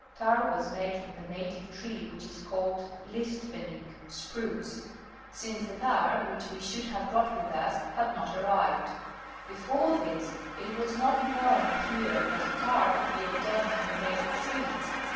Tar was made from the native tree which is called Listvennik | spruce], since the tar which we should have brought with us had not arrived. Before this it was not known here that tar could be obtained from the native trees.